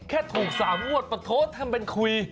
แค่ถูก๓งวดปะโทษทำเป็นคุย